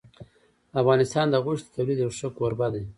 افغانستان د غوښې د تولید یو ښه کوربه دی.